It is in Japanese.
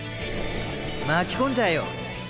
巻き込んじゃえよ